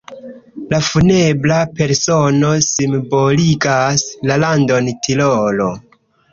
La funebra persono simboligas la landon Tirolo.